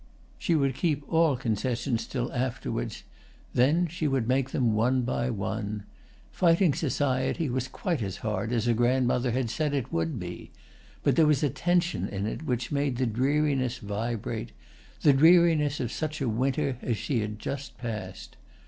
She would keep all concessions till afterwards; then she would make them one by one. Fighting society was quite as hard as her grandmother had said it would be; but there was a tension in it which made the dreariness vibrate—the dreariness of such a winter as she had just passed.